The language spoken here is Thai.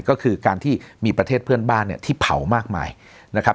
ก็คือการที่มีประเทศเพื่อนบ้านเนี่ยที่เผามากมายนะครับ